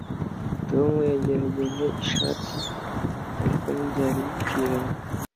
tom yagerageje ishati, ariko ntibyari bikwiranye.